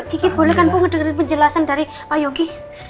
kiki boleh kan bu ngederit penjelasan dari pak yogi